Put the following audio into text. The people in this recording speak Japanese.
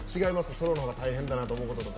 ソロのが大変だなって思うこととか。